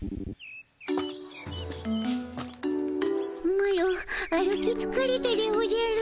マロ歩きつかれたでおじゃる。